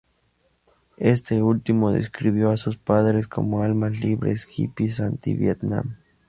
Este último describió a sus padres como "Almas libres, hippies anti-Vietnam".